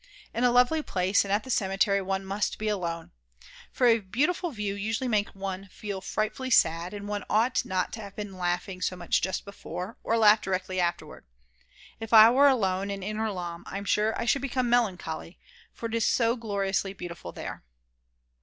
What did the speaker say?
In a lovely place and at the cemetery one must be alone. For a beautiful view usually makes one feel frightfully sad, and one ought not to have been laughing so much just before, or laugh directly afterwards. If I were alone in Inner Lahn I'm sure I should become melancholy, for it is so gloriously beautiful there.